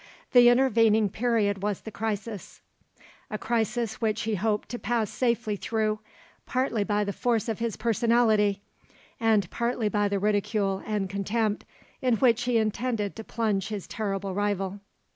The intervening period was the crisis, a crisis which he hoped to pass safely through, partly by the force of his personality, and partly by the ridicule and contempt in which he intended to plunge his terrible rival.